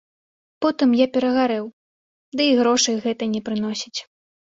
Потым я перагарэў, ды і грошай гэта не прыносіць.